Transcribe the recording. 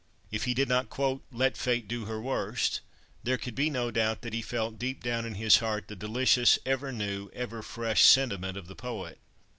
If he did not quote "let Fate do her worst," there could be no doubt that he felt, deep down in his heart, the delicious, ever new, ever fresh sentiment of the poet.